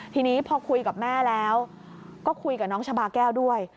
ทีนี้พอคุยกับแม่แล้วก็คุยกับน้องชาบาแก้วด้วย